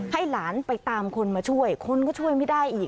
ให้หลานไปตามคนมาช่วยคนก็ช่วยไม่ได้อีก